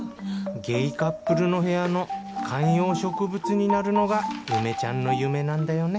ゲイカップルの部屋の観葉植物になるのが梅ちゃんの夢なんだよね